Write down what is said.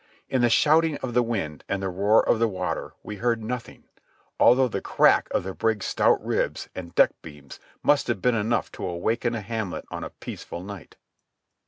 In the shouting of the wind and the roar of water we heard nothing, although the crack of the brig's stout ribs and deckbeams must have been enough to waken a hamlet on a peaceful night.